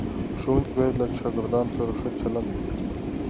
ښوونکي باید له شاګردانو سره ښه چلند وکړي.